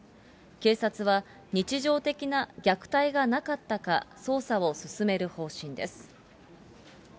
警察は、日常的な虐待がなかったか、捜査を進める方針です。